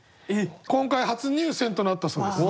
今回初入選となったそうです。